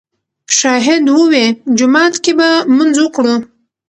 شاهد ووې جومات کښې به مونځ وکړو